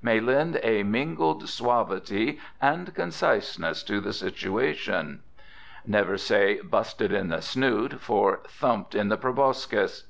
may lend a mingled suavity and conciseness to the situation. Never say, "busted in the snoot" for "thumped in the proboscis."